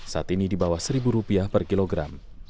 saat ini di bawah rp satu per kilogram